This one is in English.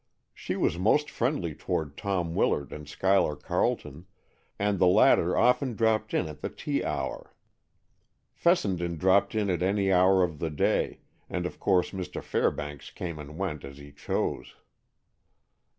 She was most friendly toward Tom Willard and Schuyler Carleton, and the latter often dropped in at the tea hour. Fessenden dropped in at any hour of the day, and of course Mr. Fairbanks came and went as he chose.